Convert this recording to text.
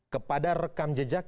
kepada rekam jejak